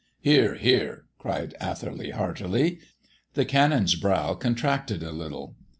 '" "Hear, hear!" cried Atherley heartily. The Canon's brow contracted a little.